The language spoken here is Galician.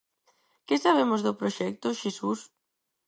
Que sabemos do proxecto, Xesús?